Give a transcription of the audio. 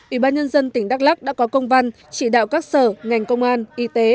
ủy ban nhân dân tỉnh đắk lắc đã có công văn chỉ đạo các sở ngành công an y tế